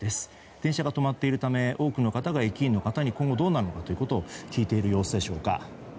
電車が止まっているため多くの方が駅員の方に今後どうなるかを聞いている様子でしょうか。